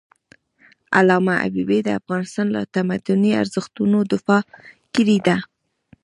علامه حبيبي د افغانستان له تمدني ارزښتونو دفاع کړی ده.